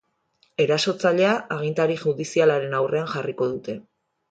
Erasotzailea agintari judizialaren aurrean jarriko dute.